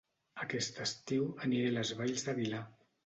Aquest estiu aniré a Les Valls d'Aguilar